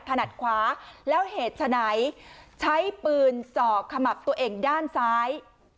ถนัดขวาแล้วเหตุฉะไหนใช้ปืนส่อขมับตัวเองด้านซ้าย